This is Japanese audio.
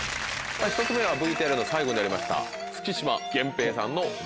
１つ目はＶＴＲの最後にありました。